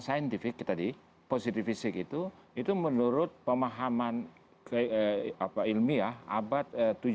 scientific tadi positifisik itu itu menurut pemahaman ilmiah abad